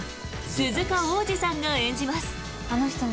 鈴鹿央士さんが演じます。